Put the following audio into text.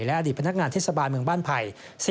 และอดีตพนักงานเทศบาลเมืองบ้านไผ่